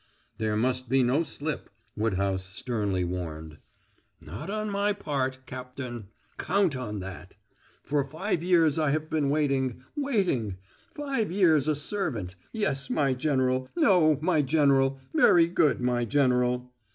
"There must be no slip," Woodhouse sternly warned. "Not on my part, Cap tain count on that. For five years I have been waiting waiting. Five years a servant yes, my General; no, my General; very good, my General."